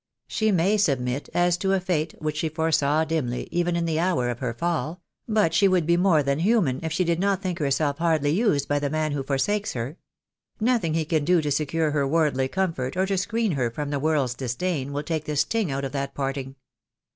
She may sub mit, as to a fate which she foresaw dimly, even in the hour THE DAY WILL COME. I I I of her fall — but she would be more than human if she did not think herself hardly used by the man who for sakes her. Nothing he can do to secure her worldly comfort or to screen her from the world's disdain will take the sting out of that parting.